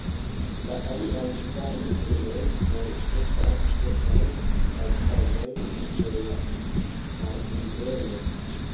La aliaj kvar insuloj nur estas etaj altaĵoj sur la marnivelo.